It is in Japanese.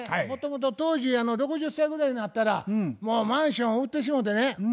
もともと当時６０歳ぐらいになったらもうマンションを売ってしもうてね